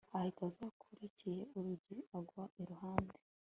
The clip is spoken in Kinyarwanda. ahita aza akurikiye urugi angwa iruhande